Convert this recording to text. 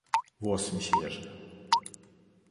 "Włos mi się jeży."